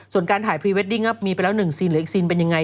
ส่วนการถ่ายพรีเวดดิ้งก็มีไปแล้ว๑ซีนหรืออีกซีนเป็นยังไง